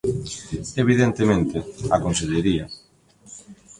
Evidentemente, a Consellería.